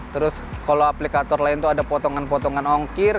terus kalau aplikator lain itu ada potongan potongan ongkir